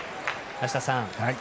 梨田さん